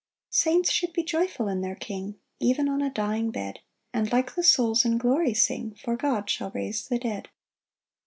4 Saints should be joyful in their King, Ev'n on a dying bed; And like the souls in glory sing, For God shall raise the dead.